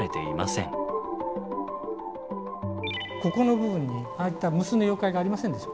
ここの部分にああいった無数の妖怪がありませんでしょ。